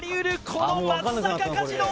この松坂カジノ！